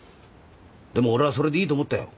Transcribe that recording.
でも俺はそれでいいと思ったよ。